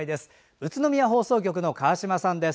宇都宮放送局の川島さんです。